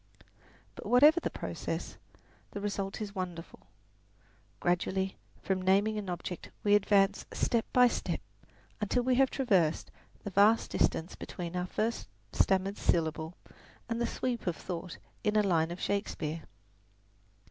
But whatever the process, the result is wonderful. Gradually from naming an object we advance step by step until we have traversed the vast distance between our first stammered syllable and the sweep of thought in a line of Shakespeare.